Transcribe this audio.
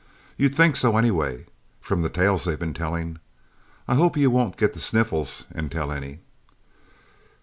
You'd think so, anyway, from the tales they've been telling. I hope you won't get the sniffles and tell any."